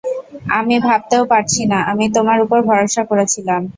আমি ভাবতেও পারছি না, আমি তোমার উপর ভরসা করেছিলাম।